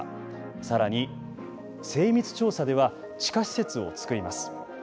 さらに精密調査では地下施設を造ります。